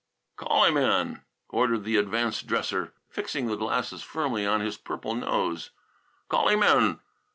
"Call him in," ordered the advanced dresser, fixing the glasses firmly on his purple nose. "Call him in!